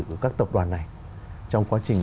của các tập đoàn này trong quá trình